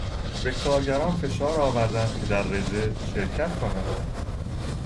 به کارگران فشار آوردند که در رژه شرکت کنند.